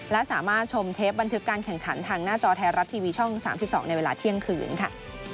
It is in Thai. และสามารถชมเทปบันทึกการแข่งขันทางหน้าจอไทยรัฐทีวีช่อง๓๒ในเวลาเที่ยงคืนค่ะ